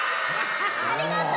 ありがとう！